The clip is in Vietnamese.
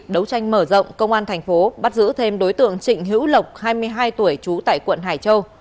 đấu tranh mở rộng công an thành phố bắt giữ thêm đối tượng trịnh hữu lộc hai mươi hai tuổi trú tại quận hải châu